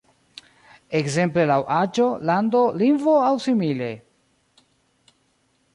Ekzemple laŭ aĝo, lando, lingvo aŭ simile?